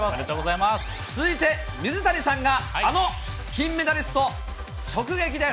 続いて、水谷さんがあの金メダリストを直撃です。